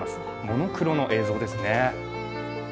モノクロの映像ですね。